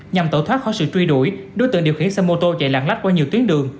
nhằm tẩu thoát khỏi sự truy đuổi đối tượng điều khiển xe mô tô chạy lạng lách qua nhiều tuyến đường